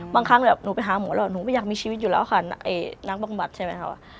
ครั้งแบบหนูไปหาหมอแล้วหนูไม่อยากมีชีวิตอยู่แล้วค่ะไอ้นักบำบัดใช่ไหมคะ